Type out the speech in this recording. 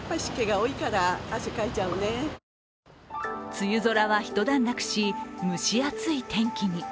梅雨空は一段落し蒸し暑い天気に。